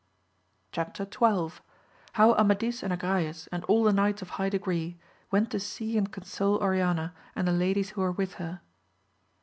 Chap. XII. — How Amadis and Agrayes, and all the knights of high, degree, went to see and console Oriana, and the ladies who were with her.